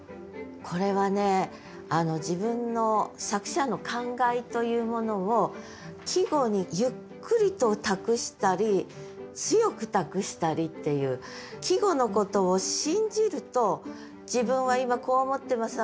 これはね自分の作者の感慨というものを季語にゆっくりと託したり強く託したりっていう季語のことを信じると「自分は今こう思ってます。